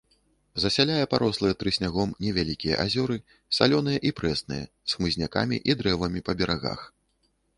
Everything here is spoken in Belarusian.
Засяляе парослыя трыснягом невялікія азёры, салёныя і прэсныя, з хмызнякамі і дрэвамі па берагах.